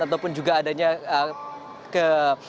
ataupun juga adanya ke